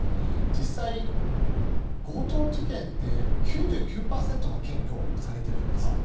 実際、強盗事件って９９％が検挙されているんです。